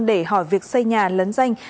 để hỏi việc xây nhà lấn danh